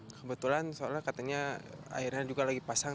kebetulan soalnya katanya airnya juga lagi pasang